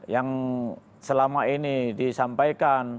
yang selama ini disampaikan